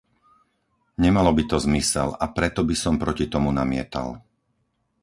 Nemalo by to zmysel, a preto by som proti tomu namietal.